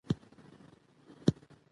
پاک ژوند د هر افغان حق دی.